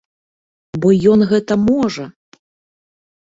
Бо ён гэта можа!